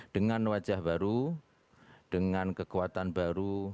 dengan wajah baru dengan kekuatan baru